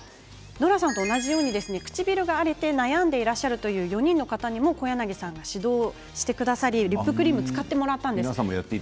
ノラさんと同じように唇が荒れて悩んでいるという４人の方にも小柳さんが指導をしてくださりリップクリームを使ってくださいました。